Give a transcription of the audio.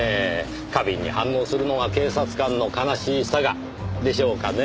過敏に反応するのが警察官の悲しい性でしょうかねぇ。